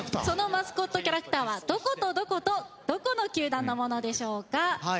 そのマスコットキャラクターはどことどことどこの球団のものでしょうか。